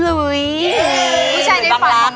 ผู้ชายได้ฟัง